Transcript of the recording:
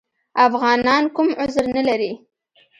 افغانان کوم عذر نه لري.